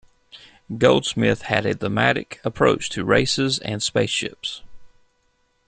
Goldsmith had a thematic approach to races and spaceships.